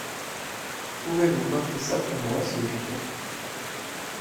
Pouvez-vous porter ça pour moi s’il vous plait.